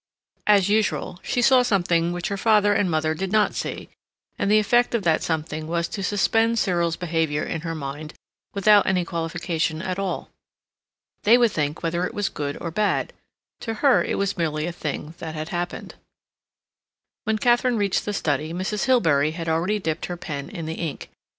As usual, she saw something which her father and mother did not see, and the effect of that something was to suspend Cyril's behavior in her mind without any qualification at all. They would think whether it was good or bad; to her it was merely a thing that had happened. When Katharine reached the study, Mrs. Hilbery had already dipped her pen in the ink.